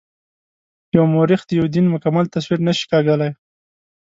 یو مورخ د یوه دین مکمل تصویر نه شي کاږلای.